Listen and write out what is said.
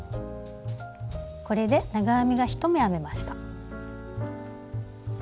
これで長編みが１目編めました。